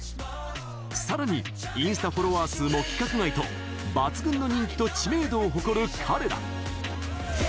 さらに、インスタフォロワー数も規格外と抜群の人気と知名度を誇る彼ら。